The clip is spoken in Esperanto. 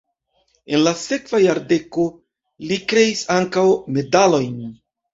En la sekva jardeko li kreis ankaŭ medalojn.